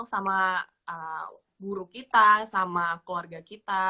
sama guru kita sama keluarga kita